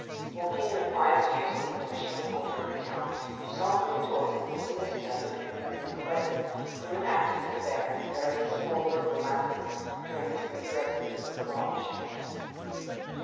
Walking in a quiet street in the professional quarter of the town, she saw coming towards her the solicitor who had been present at the wedding, and who had acted for the Baron in various small local matters during his brief residence at the Lodge.